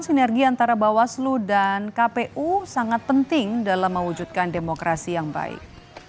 sinergi antara bawaslu dan kpu sangat penting dalam mewujudkan demokrasi yang baik